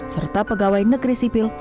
serta pegawai negeri sipil